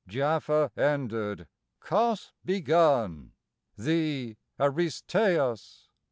IX Jaffa ended, Cos begun Thee, Aristeus.